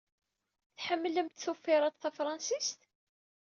Tḥemmlemt tufiṛat tafṛansit?